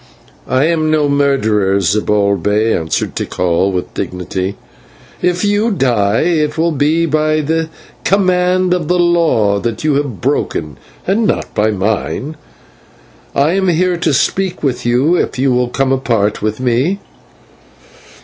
"I am no murderer, Zibalbay," answered Tikal with dignity. "If you die, it will be by command of the law that you have broken, and not by mine. I am here to speak with you, if you will come apart with me."